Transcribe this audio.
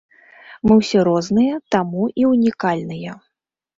Мы ўсе розныя, таму і ўнікальныя!